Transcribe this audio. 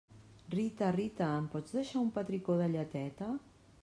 Rita, Rita, em pots deixar un petricó de lleteta?